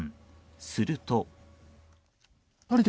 すると。